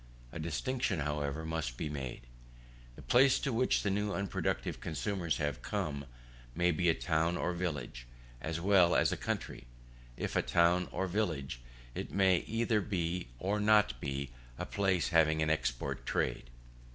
A distinction, however, must here be made. The place to which the new unproductive consumers have come, may be a town or village, as well as a country. If a town or village, it may either be or not be a place having an export trade.